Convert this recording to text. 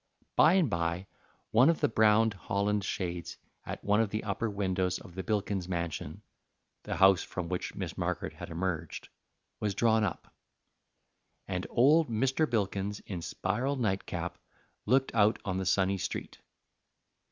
By and by one of the brown Holland shades at one of the upper windows of the Bilkins Mansion the house from which Miss Margaret had emerged was drawn up, and old Mr. Bilkins in spiral nightcap looked out on the sunny street.